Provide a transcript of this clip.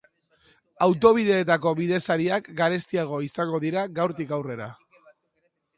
Autobideetako bidesariak garestiago izango dira gaurtik aurrera.